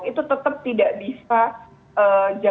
itu tetap tidak bisa jaga jarak